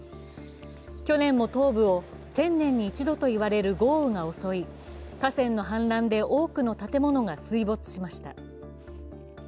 去年も東部を１０００年に一度といわれる豪雨が襲い、河川の氾濫で多くの建物が水没しました。